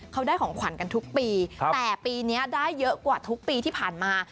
เขาได้ของขวัญกันทุกปีแต่ปีนี้ได้เยอะกว่าทุกปีที่ผ่านมา